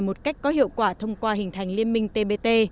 một cách có hiệu quả thông qua hình thành liên minh tbt